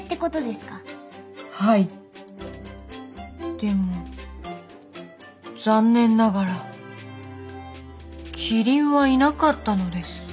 でも残念ながらキリンはいなかったのです。